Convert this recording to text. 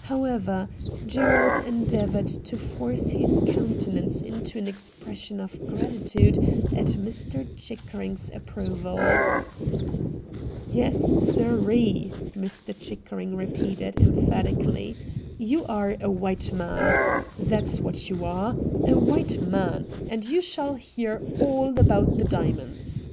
However, Gi erald endeavoured to force his countenance into an expression of gratitude at Mr. Chickering's approval. ' Yes, siree,' Mr. Chickering repeated, emphatically, ' you are a white man, that's i)3 tiSlTV OF ILUNOIS 52 RED DIAMONDS what you are. A white man ; and you shall hear all about the diamonds.'